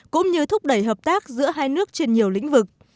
cũng như thúc đẩy hợp tác giữa hai nước trên nhiều lĩnh vực